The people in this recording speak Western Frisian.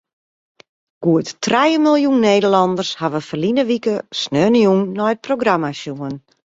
Goed trije miljoen Nederlanners hawwe ferline wike sneontejûn nei it programma sjoen.